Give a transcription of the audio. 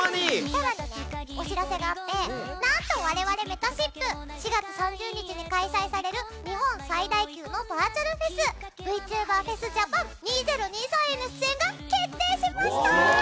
さらにねお知らせがあってなんと我々めたしっぷ４月３０日に開催される日本最大級のバーチャルフェスＶＴｕｂｅｒＦｅｓＪＡＰＡＮ２０２３への出演が決定しました！